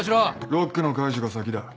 ロックの解除が先だ。